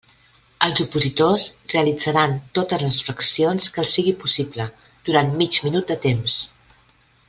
Els opositors realitzaran totes les flexions que els sigui possible durant mig minut de temps.